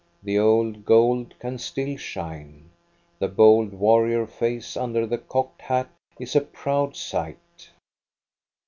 The old gold can still shine. The bold war rior face under the cocked hat is a proud sight.